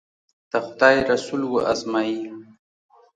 د خدای رسول و ازمایي.